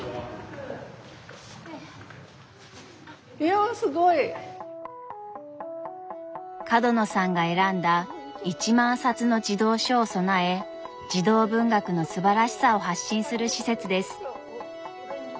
いやすごい！角野さんが選んだ１万冊の児童書を備え児童文学のすばらしさを発信する施設です。